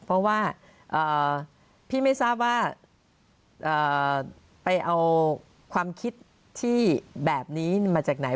เพราะว่าพี่ไม่ทราบว่าไปเอาความคิดที่แบบนี้มาจากไหน